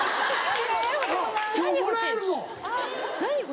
今日もらえるぞ。